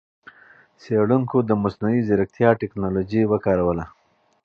څېړونکو د مصنوعي ځېرکتیا ټکنالوجۍ وکاروله.